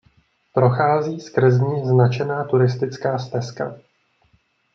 Prochází skrz ní značená turistická stezka.